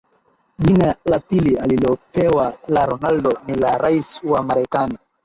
Jina la pili alilopewa la Ronaldo ni la rais wa Marekani